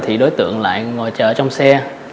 thì đối tượng lại ngồi chờ trong xe